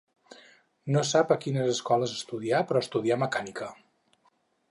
No se sap a quines escoles estudià però estudià mecànica.